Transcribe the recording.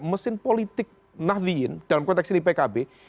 mesin politik nahdliyin dalam konteks ini pkb